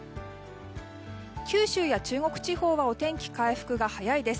九州や中国地方はお天気回復が早いです。